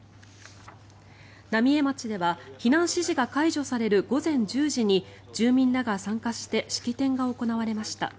浪江町では避難指示が解除される午前１０時に住民らが参加して式典が行われました。